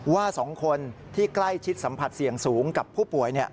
ว่า๒คนที่ใกล้ชิดสัมผัสเสี่ยงสูงกับผู้ป่วย